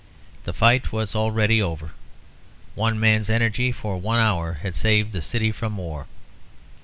The fight was already over. One man's energy for one hour had saved the city from war.